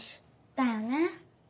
だよね。